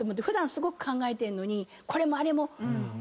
普段すごく考えてんのにこれもあれも。